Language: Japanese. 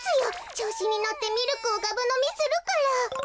ちょうしにのってミルクをがぶのみするから。